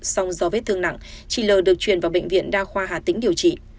song do vết thương nặng chị l được truyền vào bệnh viện đa khoa hà tĩnh điều trị